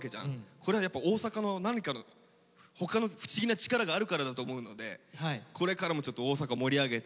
これはやっぱ大阪の何かの他の不思議な力があるからだと思うのでこれからもちょっと大阪盛り上げてこれからも頑張って下さい。